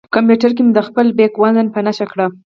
کمپیوټر کې مې د خپل بیک وزن په نښه کړ.